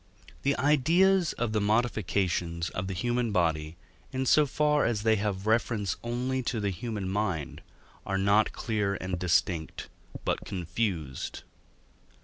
The ideas of the modifications of the human body, in so far as they have reference only to the human mind, are not clear and distinct, but confused.